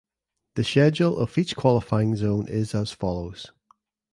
The schedule of each qualifying zone is as follows.